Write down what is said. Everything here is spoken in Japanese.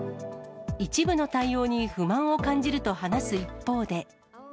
一部の対応に不満を感じると話す一方で。